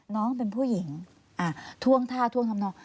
น้องเป็นผู้หญิงท่วงท่าท่วงทำนอง